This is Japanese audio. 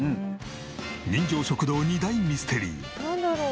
人情食堂２大ミステリー。